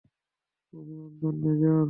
অভিনন্দন, মেজর।